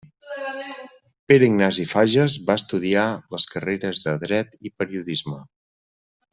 Pere Ignasi Fages va estudiar les carreres de dret i periodisme.